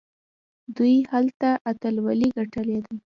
دوی هلته اتلولۍ ګټلي دي.